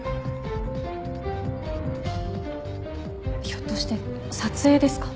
ひょっとして撮影ですか？